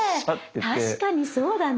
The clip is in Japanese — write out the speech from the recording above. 確かにそうだね。